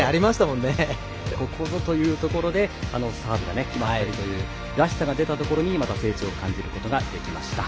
ここぞというところでサーブが決まったりというらしさが出たところに成長を感じられました。